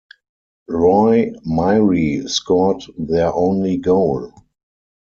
Roy Myrie scored their only goal.